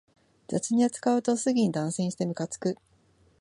雑に扱うとすぐに断線してムカつく